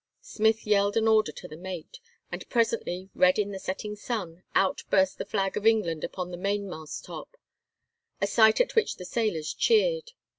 Smith yelled an order to the mate, and presently, red in the setting sun, out burst the flag of England upon the mainmast top, a sight at which the sailors cheered.